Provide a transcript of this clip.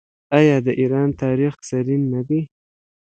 آیا د ایران تاریخ زرین نه دی؟